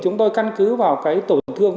chúng tôi căn cứ vào cái tổn thương